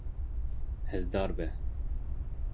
Hêzdar be.